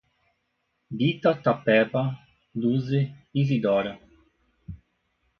Bita Tapeba, Luze, Izidora